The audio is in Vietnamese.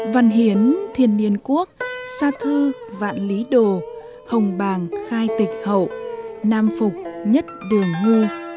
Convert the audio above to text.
văn hiến thiên niên quốc gia thư vạn lý đồ hồng bàng khai tịch hậu nam phục nhất đường ngô